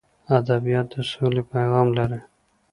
ادبیات د سولې پیغام لري.